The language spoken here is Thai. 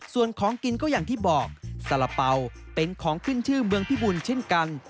ส่วนของกินก็อย่างที่บอกสาระเป๋าเป็นของขึ้นชื่อเมืองพิบูลเช่นกัน